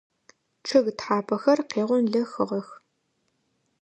Чъыг тхьапэхэр къегъонлэхыгъэх.